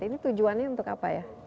ini tujuannya untuk apa ya